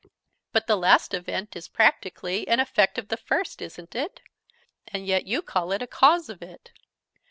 "But the last event is practically an effect of the first, isn't it? And yet you call it a cause of it!"